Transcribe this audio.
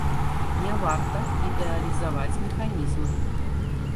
Не варта ідэалізаваць механізмы.